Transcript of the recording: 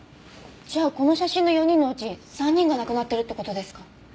じゃあこの写真の４人のうち３人が亡くなってるって事ですか？